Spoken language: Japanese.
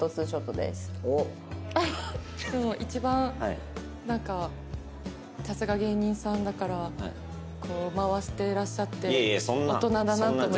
でも一番なんかさすが芸人さんだから回してらっしゃって大人だなって思いました。